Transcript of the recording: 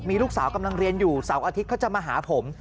มีลูกสาวกำลังเรียนอยู่เสาร์อาทิตย์เขาจะมาหาผม